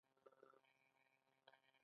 کاناډا د امنیتي خدماتو شرکتونه لري.